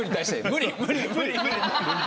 無理！